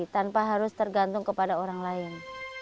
tanpa harus tergantung kepada orang lain